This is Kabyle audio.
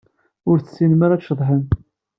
Ur tessinem ara ad tceḍḥem.